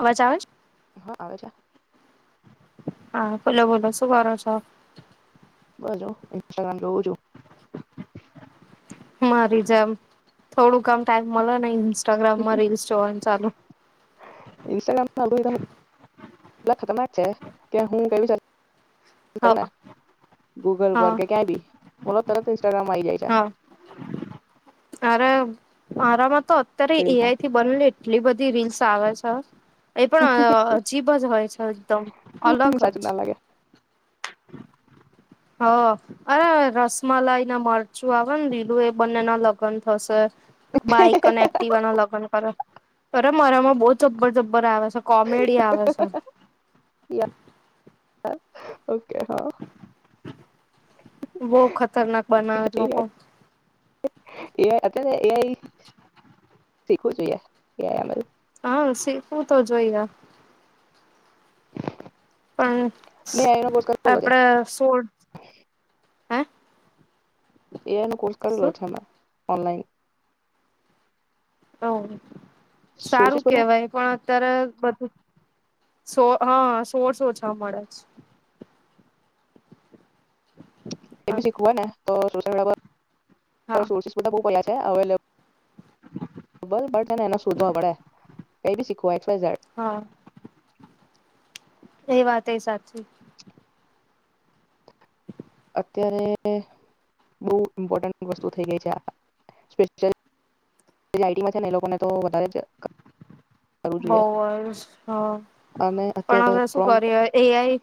અવાજ અવાજ હા આવે છે. હા બોલો બોલો શું કરો છો? હ ઇન્સ્ટાગ્રામ જોઉ છું. મારી જમ. થોડું કામ ટાઈમ મળે ને ઇન્સ્ટાગ્રામમાં રીલ્સ જોવાનું ચાલુ લા ખતરનાક જ છે. કે હું કેયુ જાત કરુને હા ગૂગલ પર હા કે ક્યાં બી. બોલો તરત ઇન્સ્ટાગ્રામમાં આવી જાય છે. હા આરામાં તો અત્યારે એઆઈ રીલ્સમાં થી બને એટલી બધી રીલ્સ આવે છે. એ પણ અહ અજીબ જ હોય છે એકદમ. અલગ સાચું જ ના લાગે હ અરે રસમલાઈ ના મરચું આવે ને લીલું એ બંને ના લગ્ન થશે બાઈક અને એકટીવા નો લગ્ન કરે બરા મારામાં બઉુ ચબ્બર ચબ્બર આવ કોમેડી આવે છે. હ ઓકે. હા [inaudible] બહું ખતરનાક બનાવે લોકો એ અત્યારે એ એઆઈ શીખવું જોઈએ. એઆઈ એમએલ હા શ શું તો જોઈયા પણ મેં એઆઈ નો કોર્સ કરેલો છે આપડે સોળ હે એનું કોશ કરેલું ઓછા માં ઓનલાઇન હ સારું સોર્સિસ બધા કેહેવાય પણ અત્યારે બધું સો હા સોર્સ સોછા મળે છે. એ બી શીખવું હોય ને તો હા સોર્સ બધા બઉ પ ને આવેલ [unintelligible] શોધવા પડે કઈ બી શીખવા વાય ઝેડ હા. એ વાત એ સાચી. અત્યારે બહુ ઇમ્પોર્ટન્ટ વસ્તુ થઈ ગઈ છે. આ સ્પેશિય લઇટિંગમાં છે ને. એ લોકોને તો વધારે જ કરવું જોઈએ બહું જ હ અને પણ અત્યારે હવે શું પ્રોમ કર્યું એઆઈ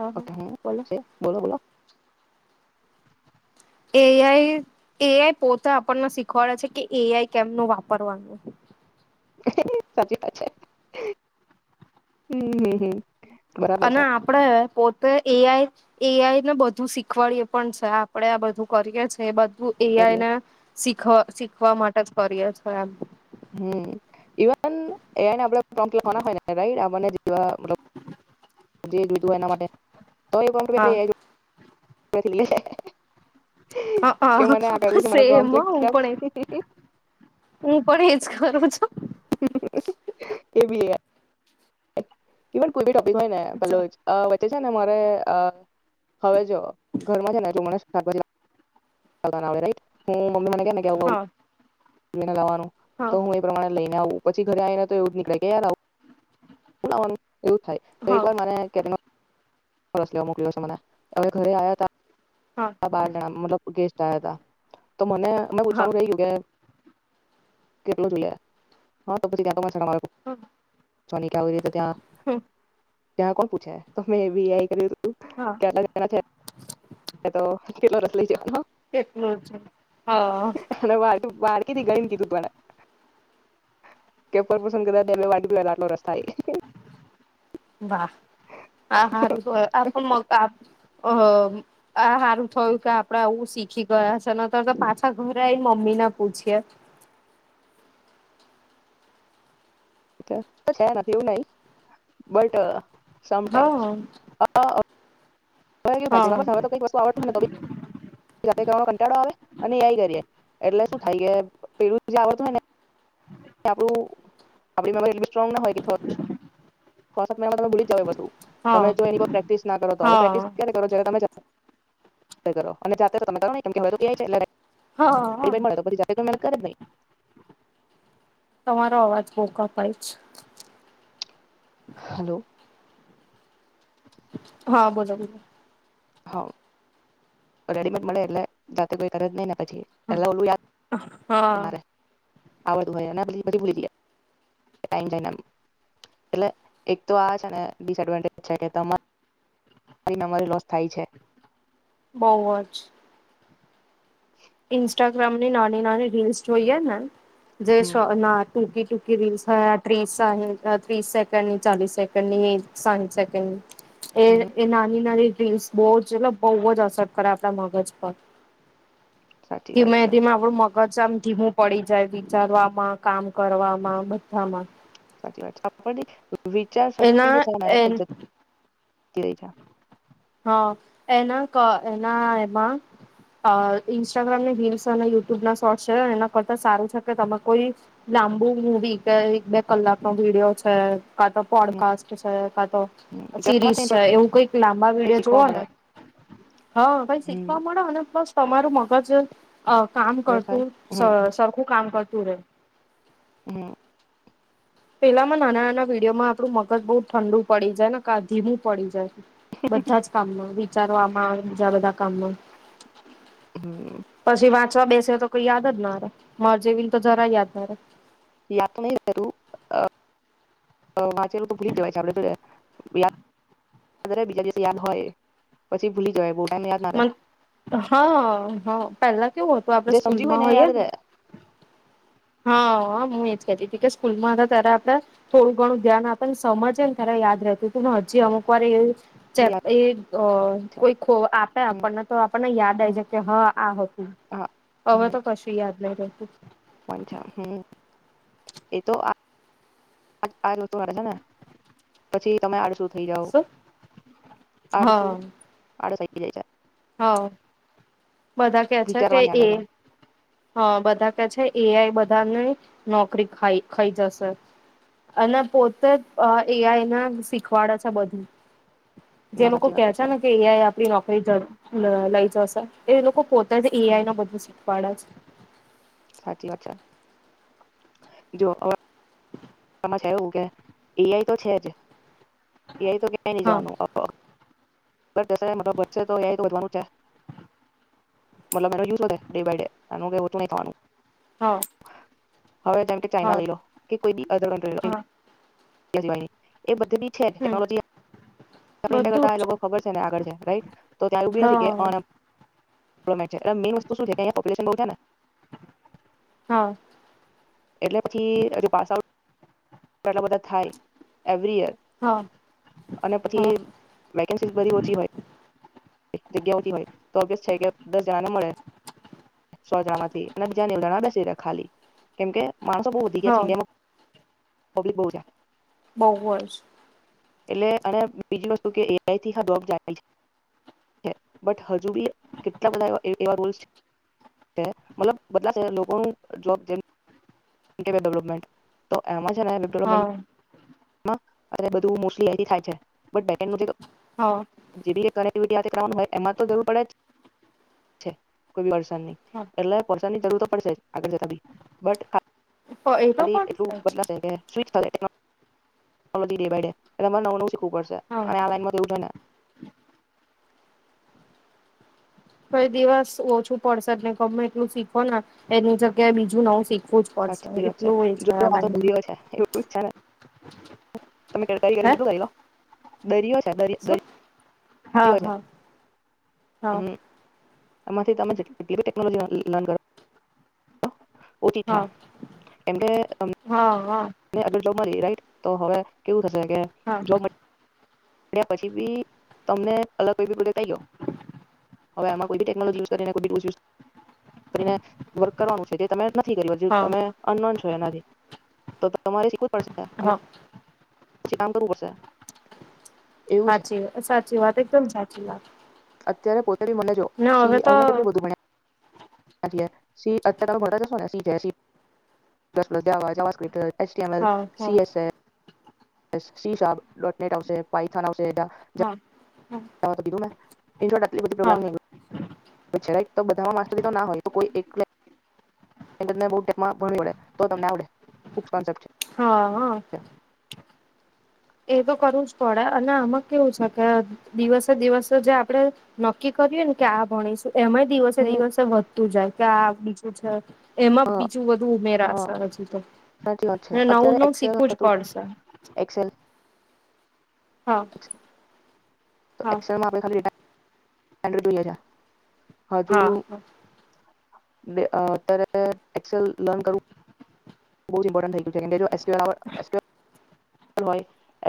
હા હા હ બોલો છે, બોલો બોલો. એઆઈ એઆઈ પોતે આપણને શીખવાડે છે કે એઆઈ કેમનું વાપરવાનું સાચી વાત છે. હમ હમ હમ બરાબર અને છે આપડે પોતે એઆઈ એ આઈ ને બધું શીખવાડીએ પણ છે આપડે આ બધું કરીએ છે. એ કરીએ એના શીખવા શીખવા માટે જ કરીએ છ એમ હમ ઇવન એને આપ ટમ ખ રટ ક મતલબ ત હા બ લ હ સેમ લખી હું આપ પડ હ. પણ એજ કરું છું. ક પૂ હોય ને પેલો છું. તે છે ને મારે હવે જોઓ ઘરમાં છે ને તું મને સબજ ના ન હમ. મ મ કેને હા લવાનું તો હા હું એ પ્રમાણે લઈ આવું પછી ઘરે આવી ને તો એવ જ નીકળે કેયાર આવું. એવું થાય તો હા એકર મ કે સ લેવા મોકલ્યો છે મને હવે ઘરે આવ્યા ત હા આબ મતલબ ગ ચદ તો મને અમે હા પૂછવાનું કઈ ગયું કે કેટલું જોયા હા તો પછી ક સલાલેકમ ચોલી ક્યા બ તો ત્યાં હમ જ્યા કોણ પૂછે તોમે બીઆઈ કરી હા કે છે તો કેલો રસલે જમાં કેટલું છે. અને વા વાળકીધી ગણીને કીધું તરા કેપર પસંદ કરા એ વા બી આટલો રસ્તો વાહ હા હારું [inaudible] ઓહો આ સારું થયું કે આપડે આવું શીખી ગયા છે ન તો તો પાછા ઘરે આવી મમ્મીને પૂછીય છે એવું નહી બટ સમટાઈમ્સ [inaudible] હા [inaudible] હા ખબસે હવે કઈક વસ્તુ આવડ થોભી જાતે કરવા‌નો કંટાળો આવે [inaudible] એટલે શું થાય [inaudible] પેલું આવતું હોય ને આપડું આપડી [inaudible] સ્રોંગ ના હોય કે ભૂલી જ તમે હા જો એની પ્રેક્ટિસ ના કરો તો હવે પ્રેકિસ હા ક્યારે કરો તમે જાતે જાતે કરો અને જાતે તો તમે કરો નાઈ હા [inaudible] [inaudible] તમારો અવાજ બો કપાય છે. હલો. હા બોલો બોલો. હા. રેડીમેડ મળે એટલે જાતે કોઈ [inaudible] એટલે ઓલું હા. યાદ ના [inaudible] બોઉ જ ઇન્સ્ટાગ્રામ ની નાની નાની રીલ્સ જોઈએ ને જે શ હમ ના ટૂકી [unintelligible] ત્રીસ સેકન્ડ ની ચાલીસ સેકન્ડ ની સાહીઠ સેકન્ડ ની એ હમ એ નાની નાની [unintelligible] બોજ એ બહુ જ અસર કરે આપડા મગજ પર સાચી વાત ધીમે છે ધીમે આપડું મગ મગજ આમ ધીમું પડી જાય વિચારવામાં કામ કરવામાં બધામાં સાચી વાત છે આપ વિચાર શક્તિ એના છે ને [inaudible] [unintelligible] હા એના એના એમાં ઇન્સ્ટાગ્રામની રીલ્સ અને યુટ્યુબ ના શોર્ટ છે એના કરતા સારું છે કે તમે કોઈ લાંબુ મવી કે એક બે કલાકનો વિડીયો છે કા તો હમ પોડકાસ્ટ છે કા તો હમ ગમે સિરીઝ છે એવું કઈક લાબુ મા તે વિડિયો શીખવા જોવો મળે ને હા કઈ હમ શીખવા મળે અને તમારું મગજ અ કામ સરસ ભાઈ કરતું હમ સરખું કામ કરતું. પૂરે હમ. પેલામાં નાના નાના વિડીયોમાં આપડું મગજ બહુ ઠંડુ પડી જાય ને કા ધીમું પડી જાય. બધા જ કામમાં વિચારવા આમાં બીજા બધા કામ હમ પછી વા ચ બેસે તો કોઈ યાદ જ ના ર માર જેવી ને તો જરા યાદ ના યાદ તો નહી તું વાચે ભૂલી જવાય આપે બીજા યાદ હોય પછી ભૂલી જવાય બો હા હા પેલા કેવું હતું આપડે જે સમજ્યું હોય સ્કૂલમાં એ હોઈએ યાદ ને રહે હા હા હું એજ કતી તું કે સ્કૂલમાં હતા ત્યારે આપણે થોડું ઘણું ધ્યાન આપે ને સમજે ને ત્યારે યાદ રહેતું હતું હજી અમુક વાર એ. ચાલ એ છે કોઈ ખો આપે હમ આપણને તો આપણને યાદ આવી હમ જતું કે હા આ હતું હા હવે તો કશું યાદ [inaudible] હમમ એતો આ આજુ છે ને પછી તમે આડ થય જાવો શું આડસુ હા અડસાઈ [unintelligible] હા. બધા કે છે કે વિચારવાની એ આડસ અ બધા કે છે એ આઈ બધાને નોકરી ખાઈ ખઈ જશે અને પોતે એ આઈને શીખવાડે છે બધું. જે ના લોકો સાચી કે વાત છે ને કે એ આઈ આપડી નોકરી જડ લ લઈ જસે એ એ લોકો પોતે અ હમ એઆઈ નો બધું છે. પાડસ. સાચી વાત છે. જો એમાં છે એવું કે એઆઈ તો છે જ. એ આઈ તો ક્થે ની હા જવાનું. વધશે તો તો વધવાનું છે મતલબ યુઝ ડે બાય ડે એનું કય ઓછુ નહી થવાનું. હા. હવે તમે કે ચાઈના હા લઈ લો કે કોઈ બી [inaudible] હા [inaudible] એ બધી બી છે હમ ટેકનોલોજી બધું કરતા જ લોકો ખબર છે ને આગળ છે રાઈટ તો ત્યાં એ બી નથી હા કે મેન વસ્તુ શું છે કે પોપ્યુલેશન બો છે ને. હા એટલે પછી હજુ [unintelligible] ઘણા બધા થાય. એવરિ યર હા અને હા પછી વેકેન્સીસ બધી ઓછી હોય. જગ્યાઓતી હોય તો અગસ છે કે. દસ જણા ને મળે. સો જણા માંથી અને બીજા નીવડા બેસી દે ખાલી કેમ કે માનસો બહુ વધી ગયા છે હા ઇન્ડિયામાં પબ્લિક બો છે. બોવ જ એટલે અને બીજી વસ્તુ કે એઆઈ થી હા જોબ જાય જ બટ હજુ બી કેટલા બધા એવા રુલ્સ છે કે મતલબ લોકો જોબ જય ડેવલોપમેન્ટ [unintelligible] માં હા અને બધું મુસ થાય છે. હા હા જેવી એ કરે. હોય એમાં તો જરૂ પડે જ કો વર્ષ એ ની જરૂર તો પડશે આગળ જતા બી બટ એ તો ખાલી પણ છે એટલું જ. બદલા [unintelligible] હ દી ભાઈડે એ નવ હા ન ને કઈ દિવસ ઓછું પડશેને ગમે એટલું શીખો ને એની જગ્યાએ બીજું નવું [unintelligible] શીખ તમે કડકારી કરીને હે કેધું ત લો દરિયો છે શું હા દરિયો છે હા હા. હમ એમાંથી તમે કે ટેકનોલોજીન કરો. ઓછી છે હા હા હા. રીટ તો હવે કેવું થ હા જો મ પછી બી તમને અલગ [unintelligible] પ્રે ગયો હવે આમાં કોઈ બી ટેકનોલોજી યુ કરીને વક કરવાનું છે તે તમે નથી કર હ હા તમે એ તો તમા પડ હા પછી કામ કરવું પડશે એવું છે સાાચી વા સાચી વાત એકદમ સાચી વાત અત્યારે પોતે ખાલી મનેજો ને હવે સી તો અમે કેટલું બધું ભણ્યા [inaudible] એચટીએમએલ હા હા સીએસએસ શી શાર્પ ડોટનેટ? આવશે પાયથન આવશે. હા [unintelligible] [unintelligible] [unintelligible] તો હા બધામાં માસ્ટરી તો ના હોયે તો [inaudible] હા અ છે એ તો કરવું જ પડે અને આમાં કેવું છે કે દિવસે દિવસે જે આપડે નક્કી કરય ને કે આ ભણી એમાંય દિવસે હમ દિવસે વધતું જાય ક્યાં બીજું છે. એમાં બીજું બધું હા ઉમેરાશે હજુ તો સાચી વાત છે નવું અત્યારે નવ એક્સેલ શીખવું જ હતું પડશે. એક્સેલ હા. તો. હા [unintelligible] [unintelligible] છે હજુ હા હા. અત્યારે એક્સેલ લર્ન કરવુ એસક્યુએલ હોય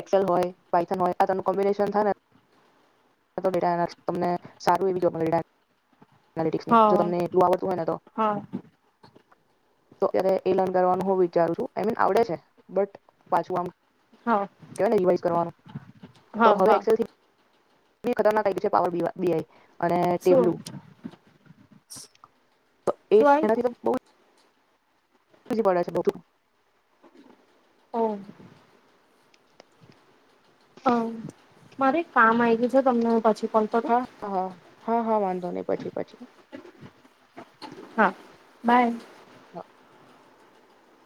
એક્સેલ હોય વાયથન હોય આનું કોમ્બિનેશન થાય ને તને સારું એ જો હા તમને એટલું આવડતું હોય ને તો. હા તો એ લર્ન કરવાનું હું વિચારું છું આઈ મીન આવડે છે બટ પા હા કે રિવાઈઝ કરવાનું હા તો હા હવે હા એકસેલથી. શું શું આવ્યું છે [unintelligible] [unintelligible] [unintelligible] અમ્મ. અમ્મ મારે કામ આ ગયું છે તમને પછી કોલ કરું અ અ હા હા. ને પછી પછી હા બાય. તો